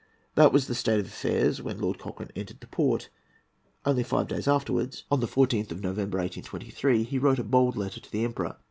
That was the state of affairs when Lord Cochrane entered the port. Only five days afterwards, on the 14th of November, 1823, he wrote a bold letter to the Emperor.